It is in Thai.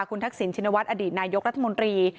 คุณทักษิณชินวัฒนอดีตนายกรัฐมนตรี